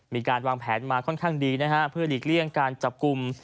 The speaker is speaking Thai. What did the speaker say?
มีการวางแผนมาค่อนข้างดีนะฮะเพื่อหลีกเลี่ยงการจับกลุ่ม